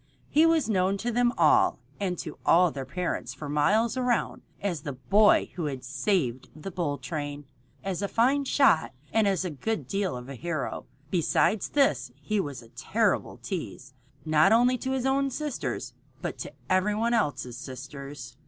He was known to them all and to all their parents for miles around as the boy who had saved the bull train, as a fine shot, and as a good deal of a hero. Besides this he was a terrible tease, not only to his own sisters, but to every one else's sisters.